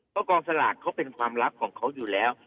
เพราะกองสลากเขาเป็นความลับของเขาอยู่แล้ว